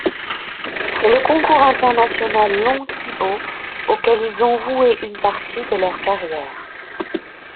C'est le Concours international Long-Thibaud auquel ils ont voué une partie de leur carrière.